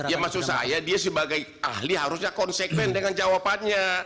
ya maksud saya dia sebagai ahli harusnya konsekuen dengan jawabannya